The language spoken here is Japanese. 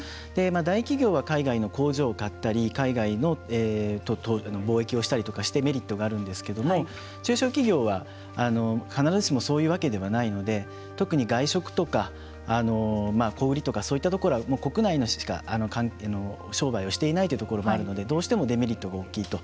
大企業は、海外の工場を買ったり海外の貿易をしたりとかしてメリットがあるんですけれども中小企業は必ずしもそういうわけではないので特に外食とか小売りとかそういったところは国内でしか商売をしていないというところもあるのでどうしてもデメリットが大きいと。